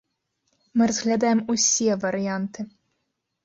Мы разглядаем усе варыянты.